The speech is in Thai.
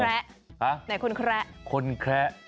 แล้วไหนคนแคระ